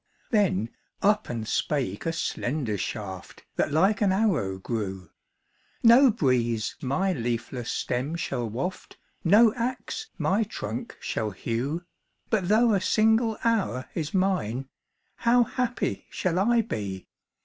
Then up and spake a slender shaft, That like an arrow grew; "No breeze my leafless stem shall waft, No ax my trunk shall hew But though a single hour is mine, How happy shall I be!